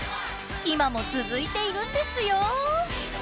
今も続いているんですよ！